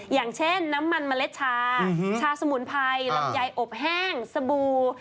อย่างเช่นน้ำมันเมล็ดชาชาสมุนไพรลำไยอบแห้งสบู่